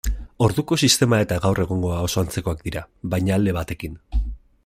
Orduko sistema eta gaur egungoa oso antzekoak dira, baina alde batekin.